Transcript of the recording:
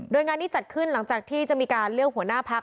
โดยงานนี้จัดขึ้นหลังจากที่จะมีการเลือกหัวหน้าพัก